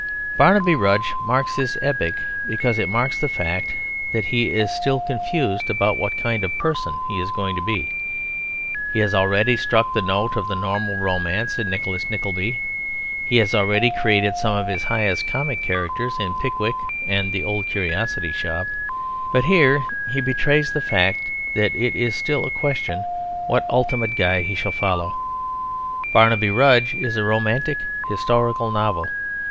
Barnaby Rudge marks this epoch because it marks the fact that he is still confused about what kind of person he is going to be. He has already struck the note of the normal romance in Nicholas Nickleby; he has already created some of his highest comic characters in Pickwick and The Old Curiosity Shop, but here he betrays the fact that it is still a question what ultimate guide he shall follow. Barnaby Rudge is a romantic, historical novel.